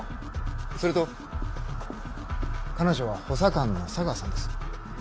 それと彼女は補佐官の茶川さんです。